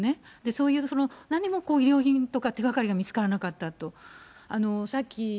そういう何も衣料品とか手がかりが見つからなかったと。